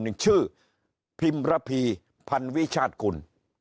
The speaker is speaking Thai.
มีชื่อพิมป์ระพีพันวิชาติกุล